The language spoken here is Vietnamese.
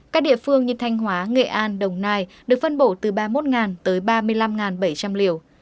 các địa phương như thanh hóa nghệ an đồng nai được phân bổ từ ba mươi một tới ba mươi năm bảy trăm linh liều